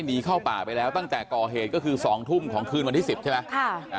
หนีเข้าป่าไปแล้วตั้งแต่ก่อเหตุก็คือ๒ทุ่มของคืนวันที่สิบใช่ไหม